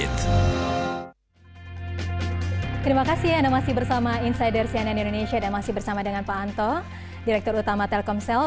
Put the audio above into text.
terima kasih anda masih bersama insider cnn indonesia dan masih bersama dengan pak anto direktur utama telkomsel